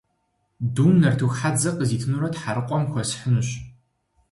Дум нартыху хьэдзэ къызитынурэ Тхьэрыкъуэм хуэсхьынущ.